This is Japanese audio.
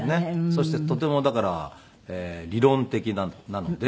そしてとてもだから理論的なので。